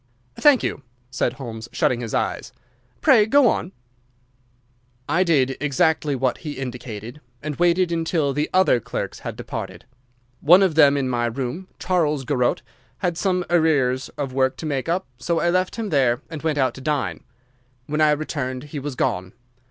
"Thank you," said Holmes, shutting his eyes; "pray go on." "I did exactly what he indicated, and waited until the other clerks had departed. One of them in my room, Charles Gorot, had some arrears of work to make up, so I left him there and went out to dine. When I returned he was gone.